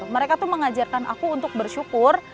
mereka tuh mengajarkan aku untuk bersyukur